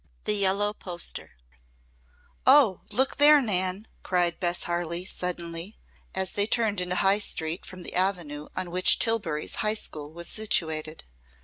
THE YELLOW POSTER "Oh, look there, Nan!" cried Bess Harley suddenly, as they turned into High Street from the avenue on which Tillbury's high school was situated.